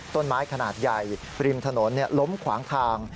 ต้นไม้ขนาดใหญ่ริมถนนล้มขวางทาง